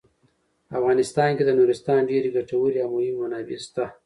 په افغانستان کې د نورستان ډیرې ګټورې او مهمې منابع شته.